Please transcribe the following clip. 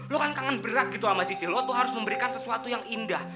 lo kangen berat gitu sama cicil lo tuh harus memberikan sesuatu yang indah